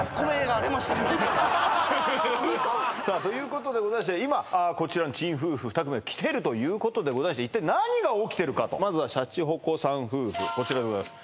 さあということでございまして今こちらの珍夫婦２組はきてるということでございまして一体何が起きてるかとまずはシャチホコさん夫婦こちらでございます